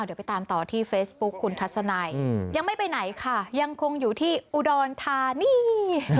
เดี๋ยวไปตามต่อที่เฟซบุ๊คคุณทัศนัยยังไม่ไปไหนค่ะยังคงอยู่ที่อุดรธานี